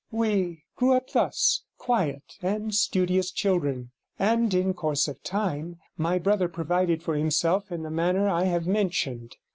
We grew up thus, quiet and studious children, and in course of time my brother provided for himself in the manner I have mentioned.